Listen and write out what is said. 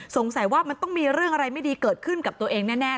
สงสัยว่ามันต้องมีเรื่องอะไรไม่ดีเกิดขึ้นกับตัวเองแน่